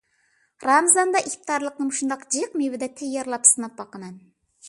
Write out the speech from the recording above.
رامىزاندا ئىپتارلىقنى مۇشۇنداق جىق مېۋىدە تەييارلاپ سىناپ باقىمەن.